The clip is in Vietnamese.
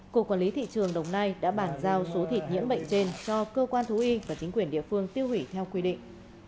cục quản lý thị trường đồng nai đã bản giao số thịt nhiễm bệnh trên cho cơ quan thú y và chính quyền địa phương tiêu hủy theo quy định